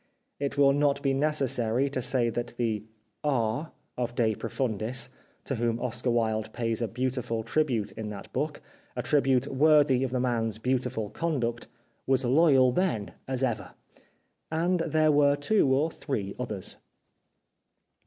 It will not be necessary to say that the " R. " of " De Profundis," to whom Oscar Wilde pays a beautiful tribute in that book, a tribute worthy of the man's beautiful conduct, was loyal then as ever. And there were two or three others.